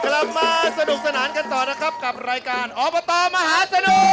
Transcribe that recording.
กลับมาสนุกสนานกันต่อนะครับกับรายการอบตมหาสนุก